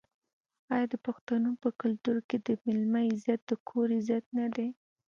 آیا د پښتنو په کلتور کې د میلمه عزت د کور عزت نه دی؟